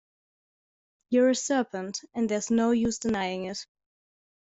You’re a serpent; and there’s no use denying it.